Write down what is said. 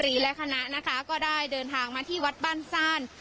เพราะฉะนั้นนายยกรัฐมนตรีและคณะก็ได้เดินทางมาที่วัดบ้านซ่าน